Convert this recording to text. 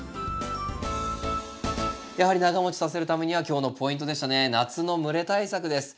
やはり長もちさせるためには今日のポイントでしたね夏の蒸れ対策です。